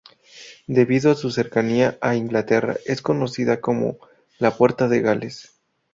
Debido a su cercanía a Inglaterra es conocida como la "Puerta de Gales".